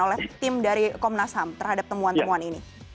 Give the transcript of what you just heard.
atau apa yang akan dilakukan oleh tim dari komnas ham terhadap temuan temuan ini